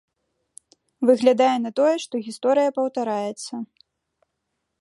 Выглядае на тое, што гісторыя паўтараецца.